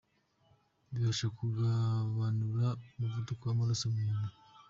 Bifasha kugabanuka k’umuvuduko w’amaraso mu mubiri.